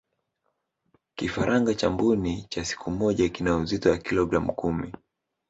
kifaranga cha mbuni cha siku moja kina uzito wa kilogramu kumi